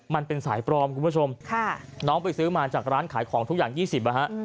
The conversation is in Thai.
มันเป็นสายปลอมคุณผู้ชมค่ะน้องไปซื้อมาจากร้านขายของทุกอย่าง๒๐นะฮะ